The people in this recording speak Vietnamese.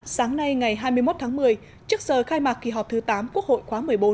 sáng nay ngày hai mươi một tháng một mươi trước giờ khai mạc kỳ họp thứ tám quốc hội khóa một mươi bốn